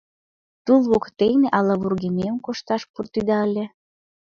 Тул воктене ала вургемем кошташ пуртеда ыле.